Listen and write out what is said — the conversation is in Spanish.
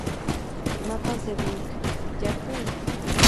Mapas de Bing, Yahoo!